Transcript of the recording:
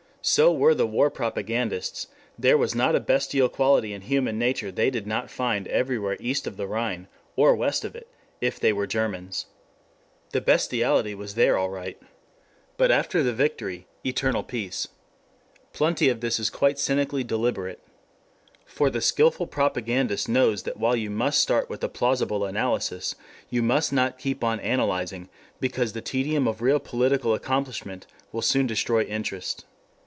So were the war propagandists: there was not a bestial quality in human nature they did not find everywhere east of the Rhine, or west of it if they were Germans. The bestiality was there all right. But after the victory, eternal peace. Plenty of this is quite cynically deliberate. For the skilful propagandist knows that while you must start with a plausible analysis, you must not keep on analyzing, because the tedium of real political accomplishment will soon destroy interest.